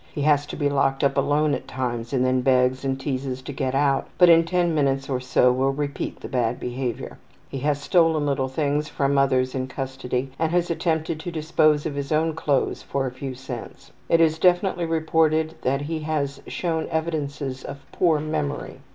He has to be locked up alone at times and then begs and teases to get out, but in ten minutes or so will repeat the bad behavior. He has stolen little things from others in custody and has attempted to dispose of his own clothes for a few cents. It is definitely reported that he has shown evidences of poor memory.